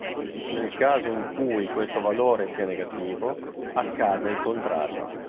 Nel caso in cui questo valore sia negativo, accade il contrario.